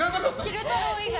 昼太郎以外。